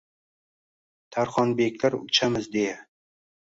Tarxonbeklar uchamiz deya